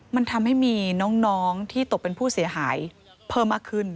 มันทำให้มีน้องที่ตกเป็นผู้เสียหายเพิ่มมากขึ้น